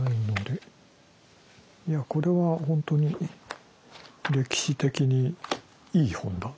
いやこれは本当に歴史的にいい本だ。